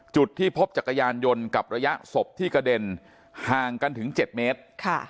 จุดที่พบจักรยานยนต์กับระยะศพที่กระเด็นห่างกันถึง๗เมตร